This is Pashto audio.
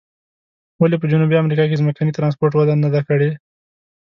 ولې په جنوبي امریکا کې ځمکني ترانسپورت وده نه ده کړې؟